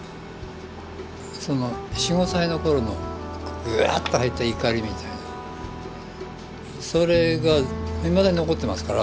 その４５歳の頃のグワーッとわいた怒りみたいなそれがいまだに残ってますから。